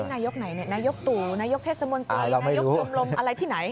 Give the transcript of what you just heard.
นายกไหนนายกตู่นายกเทศมนตรีนายกชมรมอะไรที่ไหน